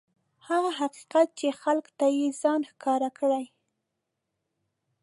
هغه حقیقت چې خلکو ته یې ځان ښکاره کړی.